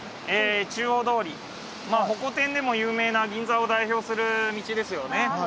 中央通りホコ天でも有名な銀座を代表する道ですよね。